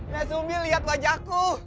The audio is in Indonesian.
nek sumbi lihat wajahku